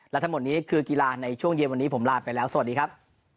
และทั้งหมดนี้คือกีฬาในช่วงเย็นวันนี้ผมลาไปแล้วสวัสดีครับ